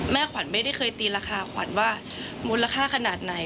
ขวัญไม่ได้เคยตีราคาขวัญว่ามูลค่าขนาดไหน